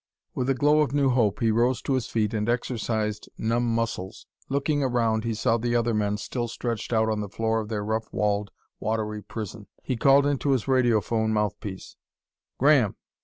With a glow of new hope he rose to his feet and exercised numb muscles. Looking around, he saw the other men still stretched out on the floor of their rough walled, watery prison. He called into his radiophone mouthpiece: "Graham!